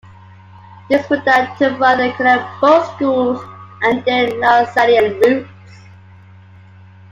These were done to further connect both schools and their Lasallian roots.